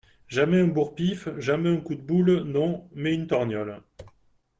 Jamais un bourre-pif, jamais un coup de boule, non, mais une torgnole